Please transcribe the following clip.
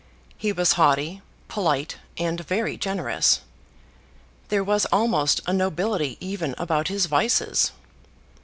He was haughty, polite, and very generous. There was almost a nobility even about his vices.